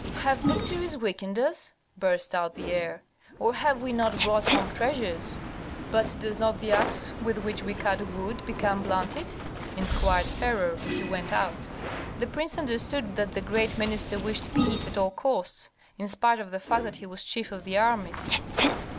"Have victories weakened us?" burst out the heir. "Or have we not brought home treasures?" "But does not the axe with which we cut wood become blunted?" inquired Herhor; and he went out. The prince understood that the great minister wished peace at all costs, in spite of the fact that he was chief of the armies.